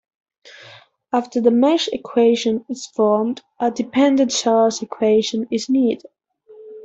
After the mesh equation is formed, a dependent source equation is needed.